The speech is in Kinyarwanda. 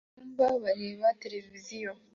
Abantu mucyumba bareba televiziyo